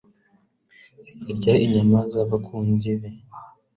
zikarya inyama z'abakunzi be